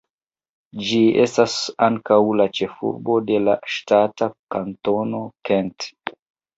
Ĝi estas ankaŭ la ĉefurbo de la ŝtata Kantono Kent.